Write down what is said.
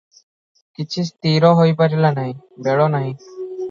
କିଛି ସ୍ଥିର ହୋଇପାରିଲା ନାହିଁ, ବେଳ ନାହିଁ ।